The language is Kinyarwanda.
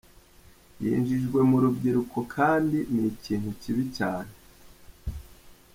Yinjijwe mu rubyiruko kandi ni ikintu kibi cyane.